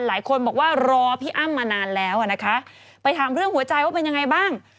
หลายคนบอกว่ารอพี่อ้ำมานานแล้วอ่ะนะคะไปถามเรื่องหัวใจว่าเป็นยังไงบ้าง